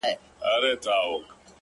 كه دي زما ديدن ياديږي”